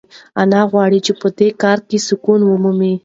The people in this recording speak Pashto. انا غواړي چې په دې کور کې سکون ومومي.